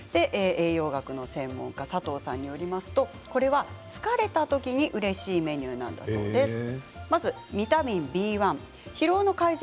栄養学の専門家の佐藤さんによりますとこれは疲れたときにうれしいメニューなんだそうです。